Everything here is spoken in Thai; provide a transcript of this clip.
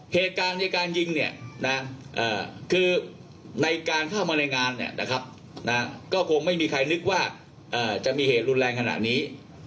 เหตุการณ์ในการยิงเนี่ยนะคือในการเข้ามาในงานก็คงไม่มีใครนึกว่าจะมีเหตุรุนแรงขนาดนี้